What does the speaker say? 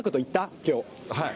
きょう。